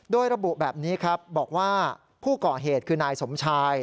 โดยระบุแบบนี้ครับบอกว่าผู้ก่อเหตุคือนายสมชาย